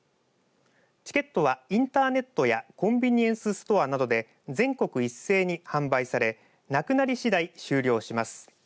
チケットはインターネットやコンビニエンスストアなどで全国一斉に販売されなくなりしだい終了します。